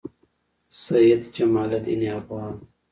سعید جمالدین افغان